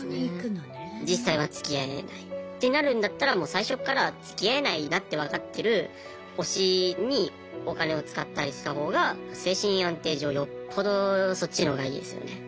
実際はつきあえないってなるんだったらもう最初っからつきあえないなって分かってる推しにお金を使ったりした方が精神安定上よっぽどそっちの方がいいですよね